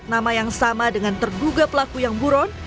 dua puluh empat nama yang sama dengan terduga pelaku yang buron